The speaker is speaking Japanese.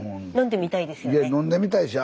飲んでみたいですよね？